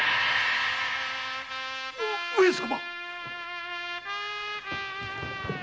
上様！